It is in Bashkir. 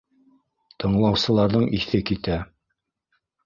Тыңлаусыларҙың иҫе китә.